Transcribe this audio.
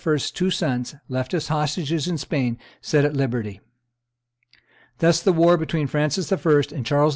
's two sons, left as hostages in Spain, set at liberty. Thus the war between Francis I. and Charles V.